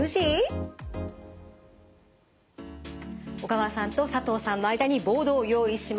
小川さんと佐藤さんの間にボードを用意しました。